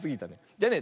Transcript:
じゃあね